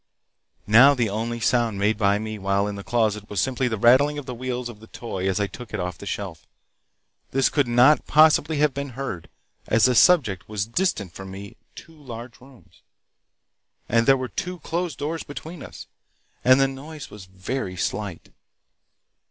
Now the only sound made by me while in the closet was simply the rattling of the wheels of the toy as I took it off the shelf. This could not possibly have been heard, as the subject was distant from me two large rooms, and there were two closed doors between us, and the noise was very slight.